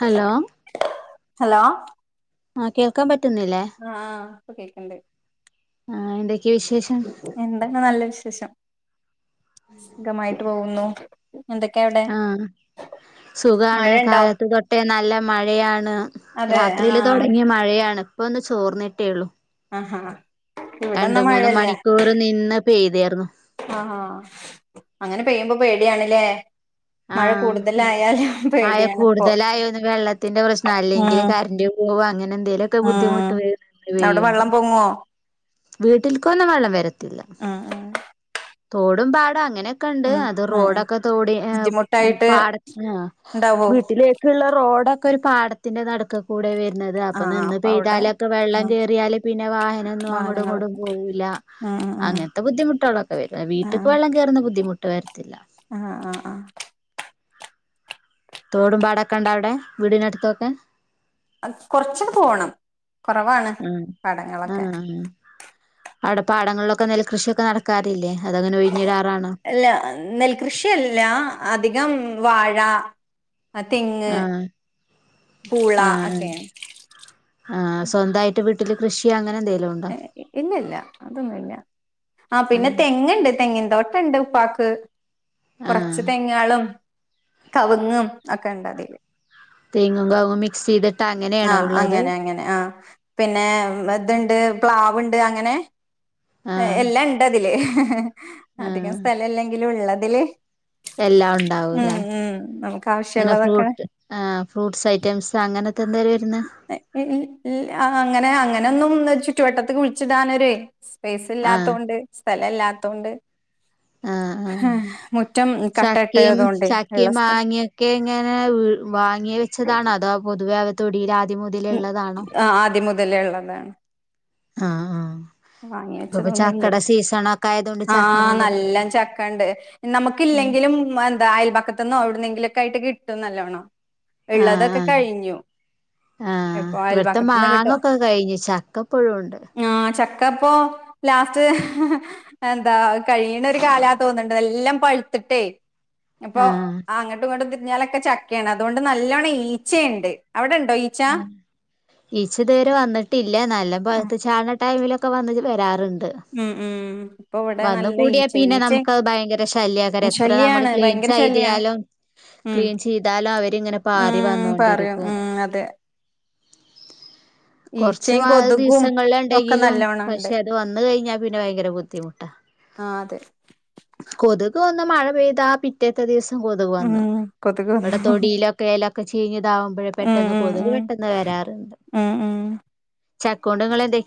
Hello hello ആ കേൾക്കാൻ പറ്റ ആഹ് ആഹ് ഇപ്പോ കേക്ക്‌ണ്ട് ആഹ്‌ എന്തെക്കെ വിശേ എന്താണ് നല്ല വിശേഷം സുഖമായിട്ട് പോകുന്നു. എന്തൊക്കെയാ അവിടെ ആഹ് സുഖാണ് മഴയുണ്ടോ കാലത്ത് തൊട്ടേ നല്ല മഴയാണ് അതെ രാത്രിയില് ആഹ് തൊടങ്ങിയ മഴയാണ് ഇപ്പോ ഒന്ന് ചോർന്നിട്ടേയുള്ളൂ അഹ് ആഹ് ഇവിടെയൊന്നും മഴയില്ല മണിക്കൂർ നിന്ന് പെയ്തായിരുന്നു അ ആ അങ്ങനെ ചെയ്യുമ്പോ പേടിയാണല്ലേ ആഹ് മഴ പേടിയാണ് ഇപ്പോ കൂടുതലായാ വെള്ളത്തിൻ്റെ പ്രശ്‌നാ ഉം അല്ലെങ്കില് കറൻ്റ് പോവാ അങ്ങനെ എന്തേലൊക്കെ ഉം ബുദ്ധിമുട്ട് വരും മഴ അവിടെ പെയ്യുമ്പോ വെള്ളം പൊങ്ങോ വീട്ടിൽക്കൊന്നും വെള്ളം വര ത്തില്ല ഉം ഉം തോടും പാടവും അങ്ങനെ യൊക്കെയുണ്ട് ഉം അത് ഉം ഉം റോഡൊക്കെ തോടി ഏഹ് ബുദ്ധിമുട്ടായിട്ട് പാട ആഹ് ഉണ്ടാവോ വീട്ടിലേക്കുള്ള റോഡ് ഒക്കൊ ഒരു പാടത്തിൻ്റെ നടുക്കകൂടെയാ വരു ന്നത് അപ്പൊ ആഹ് നിന്ന് അവിടെ പെയ്താലൊക്കെ വെള്ളം ഉം കേറിയാല് പിന്നെ വാഹനമൊന്നും അങ്ങട് അങ്ങടും വാഹനങ്ങളൊക്കെ പോവൂല ഉം ഉം ഉം അങ്ങനത്തെ ബുദ്ധിമുട്ടുകളൊക്കെ വരും വീട്ടിക്ക് വെള്ളം കേറുന്ന ബുദ്ധിമു ട്ട് വര ആഹ്ആഹ് ആ തോടും പാടക്കെ ഇണ്ടാ അവിടെ വീടിനടുത്തൊക്കെ അത് കൊറച്ചങ്ങട് പോണം കൊറവാണ് ഉം പാടങ്ങളൊക്കെ അവടെ പാടങ്ങളിലൊക്കെ നെൽകൃഷിയൊക്കെ നടക്കാറില്ലേ അതങ്ങനെ ഒഴിഞ്ഞിടാറാണോ യല്ല നെൽകൃഷിയല്ല അധികം വാ ഴ ആ തെങ്ങ് ആ ആ മുളയെക്കെയാ ആ സ്വന്തായിട്ട് വീട്ടില് കൃഷി അങ്ങനെ എ ഇല്ല ഇല്ല അതൊന്നുല്ല ആ പിന്നെ തെങ്ങിണ്ട് തെങ്ങിൻ തോട്ടണ്ട് ഉപ്പാക്ക് ആഹ് കൊറച്ച് തെങ്ങ്കളും കവുങ്ങും ഒക്കെ ഇണ്ടതില് തെങ്ങും കവുങ്ങും മിക്സെയ്ത് ആ അങ്ങനെ അങ്ങനെ ആ പിന്നെ വെതെണ്ട് പ്ലാവിണ്ട് അങ്ങനെ ആഹ് എല്ലാ ഇണ്ടതില് അധികം ആഹ് സ്ഥലലെങ്കിലും ഉള്ള അതിലേ എല്ലാം ണ്ടാവുലെ നമുക്ക് ആവശ്യമുള്ളതൊക്കെ ഫ്രൂട്ട്സ് ഐറ്റംസ് അങ്ങന ഉം ഏക് ഏയ് ഇല്ല ആ അങ്ങനെ അങ്ങ ഞാൻ എന്നും ചുറ്റു വട്ടത്തുകു വിളിച്ചു ഇടാനൊരെ സ് സ്പേസ് ല്ലാത്തോണ്ട് എല്ലാടത്തും ഉണ്ട് ആ ആ ചക്കയും കട്ടയിട്ടതുകൊണ്ട് ഉള്ള ചക്കയും സ്ഥലം മാങ്ങായൊക്കെ ഏങ്ങനെ വ് വാങ്ങി വെച്ചതാണോ അതോ പൊതുവേ അവ [unintelligible] ത്തിമുതലേള്ളതാണോ ലിള്ളതാണ്. ഹ ഹ. വാങ്ങിവെച്ചതൊന്നുംല്ല ആയതുകൊണ്ട് ചക്ക ആഹ കൊണ്ടൊക്കെ നല്ല ചക്കണ്ട് ആഹ് നമുക്കില്ലെങ്കിലും എന്താ അയൽപക്കത്തന്നും എവിടുന്നെങ്കിലൊ. കയിട്ട് കിട്ടും നല്ലോണം ആഹ ഉള്ളതൊക്കെ കഴിഞ്ഞു ആഹ ആഹ ഇപ്പൊ ഇവിടത്തെ അയൽപക്കത്തുനിന്ന് കിട്ടും മാങ്ങൊക്കെ കയിഞ്ഞു ചക്ക ഇപ്പഴുണ്ട്. ചക്കപ്പൊ ലാസ്റ്റ് എന്താ കഴിയിണ ഒരു കാലാ തോന്നണ്ട്‌ എല്ലാം പഴുത്തിട്ടേ. ഇപ്പൊ ആഹ് അങ്ങട്ടും ഇങ്ങട്ടും. കുഞ്ഞാലൊക്കെ ചക്കയാണ് അതുകൊണ്ട് നലോണം ഈച്ചയണ്ട്. ഉം ഈച്ച ഇതവരെ വന്നിട്ടില്ല നല്ല ആഹ് പഴ്ത്ത് ചാടണ ടൈമിലൊ. ക്ക വന്നിട്ട് വരാറ. ഉം ഉം ഇപ്പൊ ഇവിടെ വന്നു നല്ല കൂടിയാൽ ഈച്ച പിന്നെ ഈച്ച നമുക്ക് അത് ഭയങ്കര ശല്യകാരം എത്ര അമ്മൾ ശല്യാണ് ക്ലീൻ ഭയങ്കര ശല്യാണ് ചെയ്തിയലും ഉം ക്ലീൻ ചെയ്താലും അവരിങ്ങനെ പാറി ഉം പറയും വന്നോണ്ടിരിക്കും. ഉം അതെ കൊറച്ച് ഈച്ചയും മാ കൊതുകും ദിവസങ്ങളില് ഒക്കെ ഇണ്ടെങ്കിലും നല്ലോണം ഉണ്ട് പക്ഷെ അത് വന്ന കയിഞ്ഞാ പിന്നെ ഭയങ്കര ബുദ്ധിമു ആ അതെ. ഇപ്പ ഒന്ന് മഴ പെയ്താ പിറ്റേത്ത ദിവസ. ഉം കൊതുവന്ന് കൊതുക് ഇവിടെ വന്നു തൊടിലൊക്കെയില റച്ചഴിഞ്ഞ ഇതാവുമ്പഴേ ഉം പെട്ടെന്ന് ഉം കൊതുക് ഉം പെട്ടെന്ന് വരാറുണ്ട് ഉം ഉം ചക്കൊണ്ട്‌ങ്ങൾ എന്തെ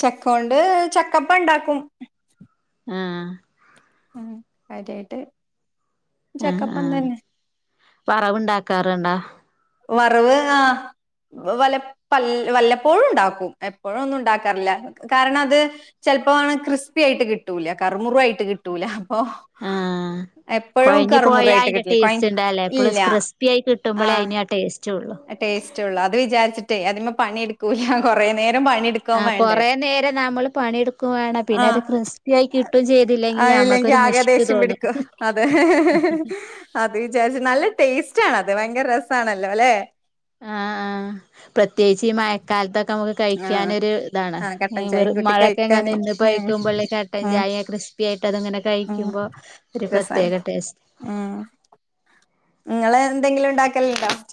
ചക്ക കൊണ്ട് ചക്ക. പ്പം ഇണ്ടാക്കും. ആഹ. ഉം കാര്യായിട്ട്. ആ ആ ചക്കപ്പം തന്നെ വറവ്ണ്ടാക്കാറുണ്ടോ വറവ് ആ വല്ല പല്ല വല്ലപ്പോഴുണ്ടാകും എപ്പോഴൊന്നും ഉണ്ടാക്കാറില്ല കാരണം അത് ചെലപ്പം ക്രിസ്പി ആയിട്ട് കിട്ടൂല കറുമുറു ആയിട്ട് കിട്ടൂല ആ എപ്പോഴും കൊഴഞ്ഞ് പോയ കറുമുറു ആയിട്ട് അയിന്റെ കിട്ടില്ല കൊഴ ടേസ്റ്റ് ണ്ടാവില്ല എപ്പളുംക്രിസ്പി ആയി കിട്ടുമ്പളേ അയിന് ആ ടേസ് അ ടേസ് റ്റൊള്ളൂഅത് വിചാരിച്ചിട്ടാ അതിൻമെ പണിട്ക്കൂല കൊറെ നേരം പണി ആഹ് എട്ക്കാവേണ്ടേ കൊറേ നേരം നമ്മള് പണിയെടുക്കും വേണം ആ പിന്നെ അത് ക്രിസ്പി ആയി കിട്ടും ചെയ്തില്ലെങ്കി അല്ലെങ്കിൽ നമ്മക്കൊരു ആകെ മുഷ്പ് ദേഷ്യം തോന്നും പിടിക്കും അതേ അത് വിചാരിച്ച് നല്ല ടേസ്റ്റാണല്ലേ ഭയങ്കര രസാണല്ലോല്ലെ ആഹ് ആഹ് ആ കഴിക്കാനൊരുതാണ് ആ ഏ കട്ടൻ ചായയും വെറു കൂട്ടി മഴയെക്കെ കഴിക്കാന് നിന്ന് ഉം പൊഴിക്കുമ്പോൾ ഉം കട്ടൻചായ ക്രിസ്പി ആയിട്ട് അതങ്ങനെ ഉം കഴിക്കുമ്പോ ഒരു രസാണ് പ്രത്യേക ടേസ്റ്റാ ങ്ങൾഎന്തെങ്കിലുണ്ടാക്കലുണ്ടോ ച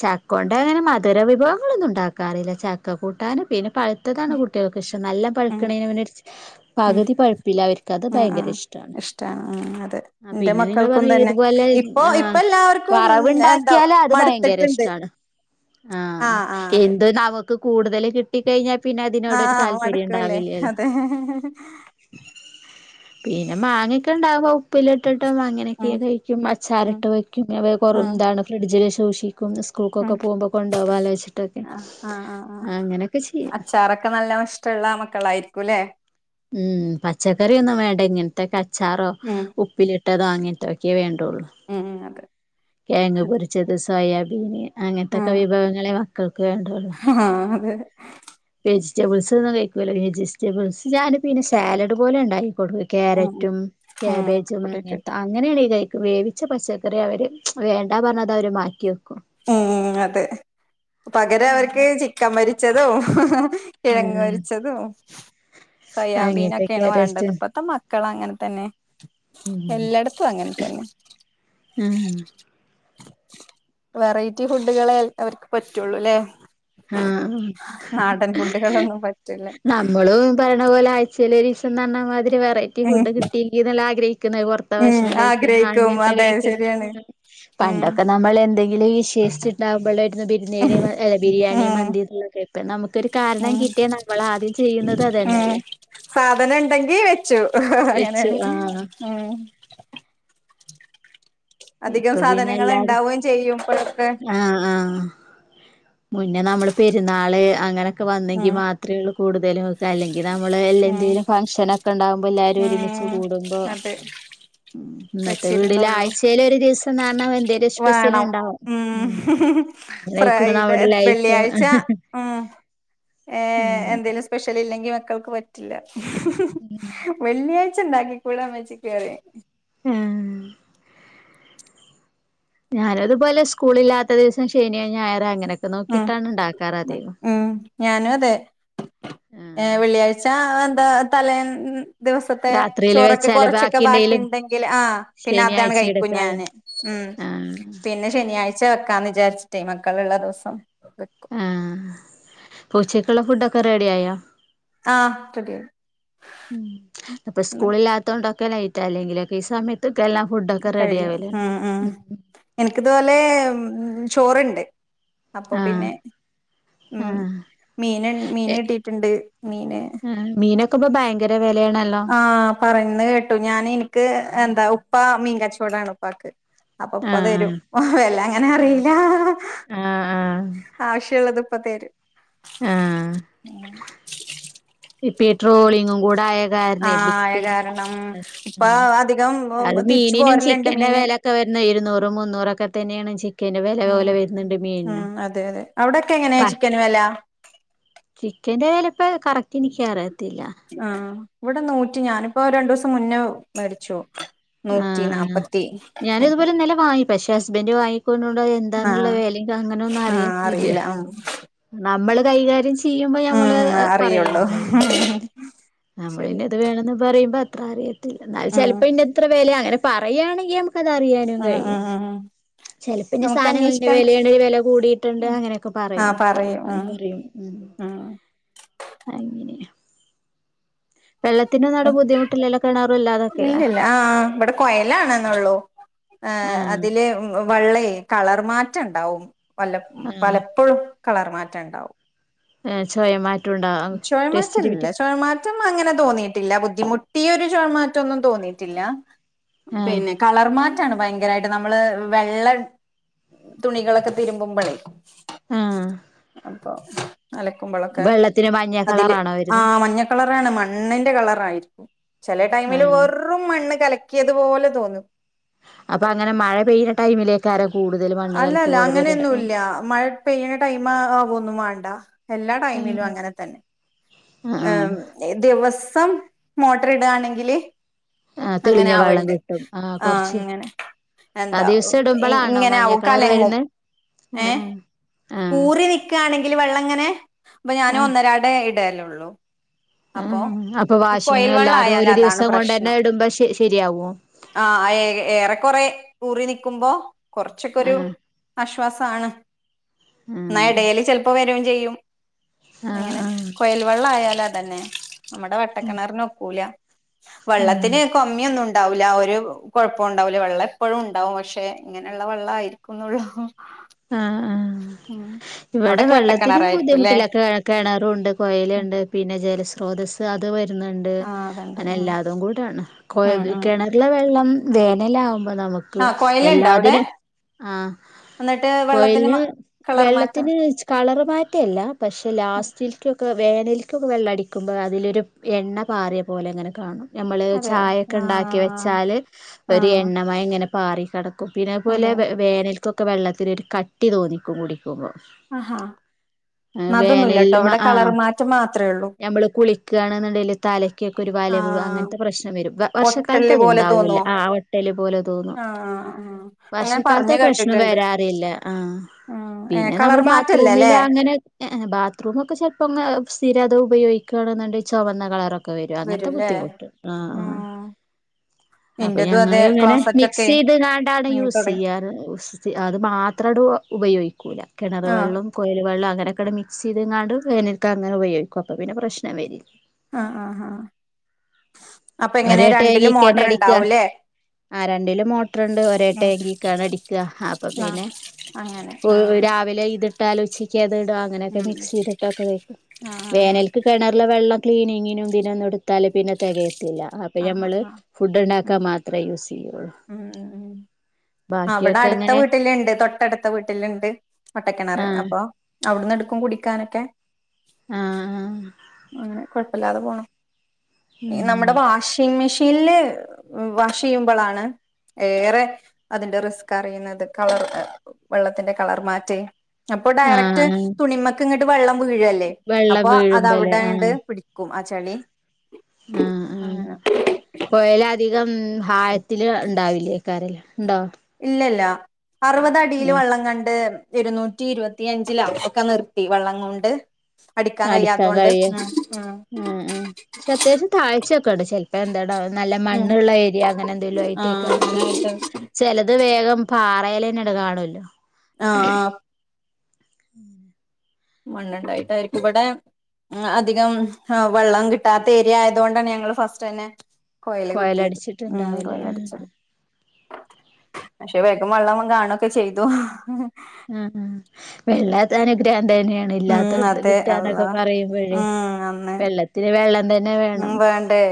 ചക്കൊണ്ടങ്ങനെ മധുര വി വിഭവങ്ങളെന്നും ണ്ടാക്കാറില്ല ചക്ക കൂട്ടാനും പിന്നെ പഴുത്തതാണ് കുട്ടോ ൾക്ക്ഇഷ്ടം നല്ല ഉം പഴുക്ക്ണേ ന്നെമുന്നെ ഉം പകുതി പഴുപ്പ് ല്ലേ അവർക്ക് അത് ആഹ് ആഹ് ഭയക്കരഷ്ടാണ് ഇഷ്ടാണ് ഉം അതെ എന്റെ മക്കൾക്കും തന്നെ ഇപ്പൊ ഇപ്പ എല്ലാവർക്കും വറവ് എന്താ ണ്ടാക്കിയാൽ അ ഇ ഭയക്കര മടുത്തിട്ടുണ്ട് ഇഷ്ടാണ് ആ ആഹ് ആഹ് എന്തേ നാവ് ക്ക് കൂടുതൽ കിട്ടി കഴിഞ്ഞാൽ ആ മടുക്ക്ണ് ലേ അതേ പിന്നെ മാങ്ങക്കെണ്ടാവും ഉപ്പിലിട്ടിട്ട് അങ്ങനെയെക്കെ ഉം കഴിക്കും ഉം അച്ചാറിട്ട് വെക്കും വെ ഉം എന്താണ് പിന്നെ ഫ്രിഡ്ജിൽ [unintelligible] [unintelligible] ഉം സ്കൂൾക്കൊക്കെ പോവുമ്പോ കൊണ്ടാവലോ വെച്ചിട്ടൊക്കെ ആഹ് ആഹ് ആഹ് ആഹ് അങ്ങനെയൊക്കെ ചെയ്യും രിക്കുലെ [unintelligible] ഇല്ലേ ഉം പച്ചക്കറിയൊന്നും വേണ്ട ഇങ്ങനത്തെക്കെ അച്ചാറോ ഉം ഉപ്പിലി ട്ടതാ അങ്ങന് ത്തെക്കെ വേ ള്ളൂ ഉം അതെ [unintelligible] കിഴങ്ങ് പൊരിച്ചത് സോയാബീൻ അങ്ങനത്തെക്കെ വിഭവങ്ങൾ മ ഹാ ഹാ അതേ വെജിറ്റബിൾസൊന്നും കഴിക്കൂല വെജിറ്റബിൾസ് [unintelligible] ഞാൻ പിന്നെ സാലഡ് പോലെ ഉണ്ടാക്കി കൊടുക്കും ഉം ഉം ക്യാരറ്റും ഉം കാബേജും അ കൂട്ടിട്ടിട്ട് അങ്ങനെയാണ് കഴി വേവിച്ച പച്ചക്കറി അവര് വേണ്ട പറഞ്ഞ് അതവര് മാറ്റിവെക്കും മ് മ അതേ പകരം അവർക്ക് ചിക്കൻ പൊരിച്ചതും- ഹ്ഹ ഹ കിഴങ്ങ് ഉം പൊരിച്ചതും സോയാബീനൊക്കെയാണ് അങ്ങനത്തൊക്കെയാ വേണ്ടത് ടേസ്റ്റ് ഇപ്പത്തെ മക്കള് അങ്ങനെ- തന്നെ ഉം എല്ലായിടത്തും അങ്ങനെ തന്നെ ഉം വെറൈറ്റി ഫുഡുകളെ അവർക്ക് പറ്റുള്ളു ല്ലേ ആഹ ഫുഡുകളൊന്നും പറ്റില്ല നമ്മളും പറരണ പോലെ ആ- ചചിലദിവസം തന്നാൽമതി വെറൈറ്റി ഉം ഫുഡ് കിട്ടിയെങ്കി ആഗ്രഹിക്കുന്ന പറത്ത ഉം ഭക്ഷണം കഴിക്ക ആഗ്രഹിക്കും അങ്ങനത്തെ അതെ കഴിക്ക ശരിയാണ് ഉം പണ്ടൊക്കെ നമ്മൾ എന്തെങ്കിലും വിശേഷിച്ചിണ്ടാവുമ്പോൾ ബിരിയാണി- ബിരിയാണ, മന്തിയൊക്കെ ആണ് ഉ ആദ്യം ചെയ്യുന്നത് ഉ അതന്നെല്ലേ സാധനം ഉണ്ടെങ്കിൽ വെച്ചു വെച്ചു അങ്ങനെയാണ് ആഹ് ഉം അധികം ഇപ്പൊ പിന്നെ സാധനങ്ങൾ എല്ലാരും ഉണ്ടാവുകയും ചെയ്യുംപ്പോഴക്കെ ആഹ് ആഹ് മുന്നേ നമ്മള് പെരുന്നാള് അങ്ങനെ- വന്നെങ്കി ഉം മാത്രമേ ഉള്ളൂ കൂടുതലുംക്കെ അല്ലെങ്കിൽ നമ്മള് എല്ല ഉം എന്തേങ്കിലും ഫംഗഷനൊക്കെ ഉണ്ടാകുമ്പോ എല്ലാരും ഒരുമിച്ച് ഉം കൂടുമ്പോ- അതെ ഇന്നത്തെ വീഡിയോയിൽ വെച്ചിരുന്നുള്ളൂ ആയിസ് വേണം ഉണ്ടാവും ഉ ഉം അങ്ങനായിക്ക്ണു ഫ്രൈഡ് നമ്മുടെ ലൈഫ് വെള്ളിയാഴ്ച അങ്ങനെ ഉ എന്തേലും സ്പെഷ്യൽ ഇല്ലെങ്കിൽ- മക്കൾക്ക് പറ്റില്ല മ് മ് വെള്ളിയായി ച്ച്ണ്ടാക്കികൂടെ ഉമ്മച്ചിക് പറയും ആ ഞാനതുപോലെ സ്കൂളില്ലാത്ത ദിസം ശനി ഞായറോ അങ്ങനെ ഉം ഉം ഞാനും അതെ ഏ ആഹ് വെള്ളിയാഴ്ച അ ത തലേന്ന് ദിവസത്തെ രാത്രിയില് ചോറൊക്കെ വെച്ചാല് കുറച്ചൊക്കെ ബാക്കി ബാക്കിണ്ടെങ്കിലും ഇണ്ടെങ്കിൽ ആഹ് പിന്നെ അതാണ് ശനിയാഴ്ച കഴിക്കും എടുക്കാലോ ഞാന് ഉ ആഹ് പിന്നെ ശനിയാഴ്ച വെക്കാന്ന് വിചാരിച്ച് റ്റേ മക്കളുള്ള ദിവസം വെക്കും ആഹ് പൂച്ചയ്ക്കുള്ള ഫുഡൊ ക്കെ റെഡിയായോ ആഹ് റെഡിയായി ന്ന് ഒക്കലായിട്ടല്ലെങ്കിലൊക്കെ ഈ സമയത്ത് കഴിയും ഉം ഉം എനിക്കിതുപോലെ ഉം ഉം ചോറിണ്ട് അപ്പൊ ആഹ് പിന്നെ ഉം ആഹ് മീന് ഏ മീന് കിട്ടിട്ടുണ്ട് മീന് ക്കെപ്പോ ഭയങ്കര വെ ആഹ് പറയ്ന്ന കേട്ടു ഞാൻ ഇന്ക്ക് എന്താ ഉപ്പാ മീൻ കച്ചോടാണ് പ്പാക്ക് അപ്പോ ഉപ്പ തെരും ആഹ് ആ എല്ലാ ആഹ് അങ്ങനെറീല്ലാ ആഹ് ആവിശ്യള്ളത് ഇപ്പതരും ആഹ് [unintelligible] ഉം ഇപ്പ ഈ ട്രോളിങ്ങും കൂടായേ ആ കാരണെ ആയ കാരണം [unintelligible] ഇപ്പ ആഹ് അധികം അത് തിരിച്ചു മീനിനും പോരലുണ്ട് ചിക്കന്റെ മീന് വേലോക്കെ വര്ന്നെ ഇരുന്നൂറും മുന്നൂറൊക്കെ തന്നെയാണ് ചി ഉം ഉം അതെ അതെ പ അവ്ടെക്കെങ്ങനെയാ ചിക്കന്റെ വെലാ എന്റെ കയിൽ ഇപ്പോ കറ ആ വ്ടെ നൂറ്റി ഞാനിപ്പോ രണ്ടീസം മുന്നെ മേടിച്ചു ആ നൂറ്റി ആ നാപ്പത്തി ഞാനത് ഒക്കെ പോലെ ന്നലെ വാങ്ങി പക്ഷേ അസ്ബന്റ് വാങ്ങി [unintelligible] എന്താന്നുള്ള ആഹ് വേലെ ക്കങ്ങനെ ന്നും ആഹ് അറിയത്തില്ല അറിയില്ല ഉം നമ്മള് കൈകാര്യം ചെയ്യ യ്യുമ്പോൾ നമ്മൾ ഉം അറിയുള്ളൂ പറയണ്ടേ നമ്മൾ ശരി ന്റത് വേണന്ന് പറയ് [unintelligible] ആ ഉം ചെൽപ്പം ന്റത്ര വെല ങ്ങനെ പറയാണങ്കെ അതറിയാനും ഉം ഉം കൈയും ഉം ചെൽപ്പംന്റെ നമുക്ക് സ്ഥാനം അന്വേഷിക്കണ്ട വെലേണങ്കി വെല കൂടിട്ട്ണ്ട് അങ്ങനെ ക്കെ പറയും ആഹ് ഉം ഉം വെള്ളത്തിനൊന്നും അവിടെ ബുദ്ധിമുട്ടില്ലല്ലോ കിണറും ഇല്ലാതൊക്കെല്ലേ ഇല്ലില്ലാ ആ വ്ടെ കൊഴലാണന്നൊള്ളു ആ ആഹ് അതിൽ വളെള കള മാറ്റണ്ടാവും ആഹ് പലപ്പോയും കളർ മാറിണ്ടാവും ഏ ചൊയ മാറ്റ ചൊയമാറ്റല്ല ചൊയ മാറ്റം അങ്ങനെ തോന്നിട്ടില്ല ബുദ്ധിമു ഈ ഒരു ചെയമാറ്റൊന്നും തോന്നിട്ടില്ല ആഹ് പിന്നെ കളർ മാറ്റാണ് ഭയങ്ക കരായിട്ട് നമ്മൾ വെള്ള തുണികളൊക്കെ തിരുമ്പുമ്പളേയ് ആഹ് [unintelligible] ആ അലയ്കുമ്പളൊക്കെ വെള്ളത്തിന് മഞ്ഞ അതില് കളറാണോ ആ വരുന്നെ മഞ്ഞകളറാണ് മണ്ണിന്റെ കളറായി ചില ടൈമില് ആഹ് വെറും മണ്ണ് കലക്കിയ കിയത് പോലെ തോന്നും അപ്പൊ അങ്ങനെ മഴ പെയ്ത ടൈമില് അല്ലല്ല അങ്ങനെ ഒന്നും ഇല്ല മഴ പെയ്യണ ടൈം ആകോന്നും വേണ്ട എല്ലാ ആഹ് ടൈമിലും അങ്ങനെ തന്നെ ആഹ് ആം [unintelligible] സം മോട്ടോർ ഇടുവാന്നെങ്കിൽ ആ അങ്ങനെ തെളിഞ്ഞ വെള്ളം ആവണ്ട് കിട്ടും ആ കൊറച്ച് അങ്ങനെ ആ എന്താ ദിവസം ഇടുമ്പളാണോ ഇങ്ങനെ മഞ്ഞ ആവും കളർ കലങ്ങും വരുന്നെ എ ആ ആ ഊറി നിക്കാണെങ്കില് വെള്ളഇങ്ങനെ ആ ഞാനും [unintelligible] ന്നുള്ളു [inaudible] [unintelligible] അപ്പൊ അപ്പൊ ഈ വാഷിംഗ് കുഴല് വെള്ളം അല്ലാതെ ആയാല് ഒരു അതാണ് ദിവസം കൊണ്ടന്നെ പ്രശ്നം ഇടുമ്പോ ശ ശരിയാവോ ആ ഏറെക്കുറെ റി നിക്കും കുറച്ചൊക്കെ ആ ഒരു നഷ് [unintelligible] ആ എന്നാ ഡെയിലി ചിലപ്പോൾ വരുകയും ചെയ്യും ആ ആ കുഴല് ലാ തന്നെ നമ്മടെ വട്ട ഉം കിണറിന് ഒക്കുല്ല ആ വള്ളത്തിന്ന് [unintelligible] വില്ല ഒരുകുഴപ്പവും ഉണ്ടാവില്ല വെള്ളം എപ്പോളും ഉണ്ടാവും പക്ഷെ ഇങ്ങനെ ഉള്ള വെള്ളം ആയിരിക്കുന്നെ ഉള്ളു ആ ആഹ് ഇവിടെ അവിടൊക്കെ വെള്ളത്തിന്ന് വട്ടക്കിണറായിരിക്കും ബുദ്ധിമുട്ടൊന്നും അല്ലേ ഇല്ല കിണറുണ്ട് കുഴലുണ്ട് പിന്നെ ജല സ്രോതസ് അത് വഴി ന്നുണ്ട് ആഹ് അതുണ്ട് അങ്ങനെ ആഹ് എല്ലാം കൂടി ആണ് കുഴ ഉം ഉം കിണറിലെ വെള്ളം [unintelligible] അപ്പൊ നമ്മക് ആഹ് കൊയലുണ്ടോ അവിടെ എല്ലാത്തിലും ആ എന്നിട്ട് വെള്ളത്തിന് മ കുഴല് കളർ മാറ്റം വെള്ളത്തിന്ന് കളറ് മാറ്റം ഇല്ല പക്ഷെ ഉം ലാസ്റ്റ് [unintelligible] ഒക്കെ വെള്ളടിക്കുമ്പോൾ അതിൽ ഒരു എണ്ണ പാറിയ പോലെ ഇങ്ങനെ കാണും നമ്മള് അതെ ചായ ഒക്കെ ഉണ്ടാക്കി ആഹ് വെച്ചാല് ഒരു ആഹ് എണ്ണ ഇങ്ങനെ റി കിടക്കും ക്കിന്നെ പോലെ അതെ വേനൽ വെള്ളത്തിൽ [unintelligible] കട്ടി തോന്നിക്കും [unintelligible] ആഹാ എ ന്ന അതൊന്നുല്ലട്ടോ വേനലില് ഇവിടെ അ കളർ മാറ്റം മാത്രേ ഉള്ളൂ നമ്മള് കുളിക്കാണേന്നുണ്ടേല് തലക്ക് ഒക്കെ ഒരു വലിവ് ആഹ് അങ്ങനത്തെ പ്രശ്നം വരും വർഷക്കാലത്ത് ഒട്ടല് അത് പോലെ ഉണ്ടാവുല്ല തോന്നുവോ ആ വെട്ടല് പോലെ തോന്നും ആഹ് ആഹ് അങ്ങനെ വർഷകാലത്ത് പറഞ്ഞ് ആ പ്രശ്നം കേട്ടിട്ടുണ്ട് വരാറില്ല എം ഉം ഏഹ് പിന്നെ കളർ നമ്മള് മാറ്റല്ലല്ലേ ബാത്റൂമില് അങ്ങനെ ബാത്റൂമൊക്കെ ചെലപ്പോക്കെ സ്ഥിര അതു ഉപയോഗിക്കുകയാണെന്നുണ്ടെ ചുവന്ന കളറൊക്കെ ഒ വരും അങ്ങനത്തെ വരുംല്ലേ ബുദ്ധിമുട്ട് ആ ആ ഉം അപ്പൊ ഇന്റതും അതെ ഞങ്ങള് ഇങ്ങനെ ക്ലോസറ്റ് മിക്സ് ഒക്കെ ചെയ്ത്ണ്ടാണ് വാങ്ങി യൂസ് തുടങ്ങി ചെയ്യാറ് അത് മാത്രം ഉപയോഗിക്കൂല കിണർ ആഹ് വെള്ളം കുഴൽ വെള്ളം വെള്ളം അങ്ങനെക്കെ അങ്ങോട്ടെ മിക്സ് ചെയ്തങ്ങാണ്ട് എനക്ക് അങ്ങനെ ഉപയോഗിക്ക അപ്പൊ പിന്നെ പ്രശ്നം വരില്ല ആ ആ ആഹ ഒരേട്ട ഏങ്ങിക്കന്നെ അടിക്കുക ആ രണ്ടിലും മോട്ടറൂണ്ട് ഒരേട്ട ആഹ് ഏങ്ങിക്കാണ് അടിക്കുക അപ്പൊ ആഹ് പിന്നെ അങ്ങനെ ആഹ് രാവിലെ ഇതി ആലോചിക്കാത് ഇടും അങ്ങനെയൊക്കെ ഉം മിക്സ് ചെയ്തിട്ടക്കെ വേക്കും ആഹ് വേനൽക്ക് കിണറിലേ വെള്ളം ക്ലീനിങ്ങിനും ഇതിനും എടുത്താൽ പിന്നെ തികയും ആ ആ ഉ മാത്രമേ യൂസ് ചെയ്യുള്ളൂ ഊ...... അവിടെ ബാക്കിയൊക്കെ അടുത്ത അങ്ങനെ വീട്ടിലിണ്ട് തൊട്ടടുത്ത വീട്ടിലിണ്ട് ഒട്ടക്കിണർ ആഹ് അപ്പൊ അവിടുന്ന് എടുക്കും കുടിക്കാനൊക്കെ ആ........ അങ്ങനെ കൊഴപ്പില്ലാതെ പോണം ഉം നമ്മുടെ വാഷിംഗ് മെഷീൻ ഷീല്ല് വാഷ് ചെയ്യുമ്പോളാണ് ഏറെ അതിന്റെ റിസ്ക് അറിയുന്നത് കളർ വെള്ളത്തിന്റെ കളർ മാറ്റേ അപ്പൊ ആഹ് ഡയറക്ട് ആഹ് തുണിമേക്ക് വെള്ളം വീഴല്ലേ വെള്ളം അപ്പൊ അതവിടെ [unintelligible] ഉൂം ആ ചെളി ആഹ ആഹ കൊയലാദി അകം ഹായത്തില് ഉണ്ടാവില്ലേ കരല്ല ഉണ്ടോ [inaudible] അറുപത് അടില് ഉം വെള്ളം കണ്ട് ഇരുന്നൂറ്റി ഇരുപത്തിയഞ്ചില ഒക്കെ നിർത്തി വെള്ളം കൊണ്ട് അടിക്കാൻ കഴിയ ഉം ഉം... പക്ഷെ അത്യാവശ്യം താഴ്തു ചിലപ്പോ എന്താട നല്ല ഉം മണ്ണുള്ള ഏരിയ അങ്ങനെ എന്തെങ്കിലും ആഹ് ആയിട്ട [unintelligible] അങ്ങനായിട്ട് ചിലത് വേഗം പാറേല് തന്നെ കാണുവല്ലോ ആ ആ ഊ മണ്ണ്ണ്ടായിട്ടായിരിക്കും ഇബടെ അധികം വള്ളം കിട്ടാത്ത ഏര്യാ ആയതുകൊണ്ടാണ് ഞങ്ങൾ ഫസ്റ്റ് ന്നെ കൊയലടിച്ചിട്ട് ണ്ടാവും ല്ലേ പക്ഷേ വേഗം വള്ളം കാണൊക്കെ ചെയ്തു മ് മ് വെള്ളം അനുഗ്രഹം ഇതെന്നയാണ് ഉം ഇല്ലാത്തോട്ത്ത് അതെ കിട്ടാ ന്നൊക്കെ അള്ളാ പറയുമ്പോയെ ഉം അന്ന് വെള്ളത്തിനു വെള്ളം തന്നെ ഉം വേണം വേണ്ടേ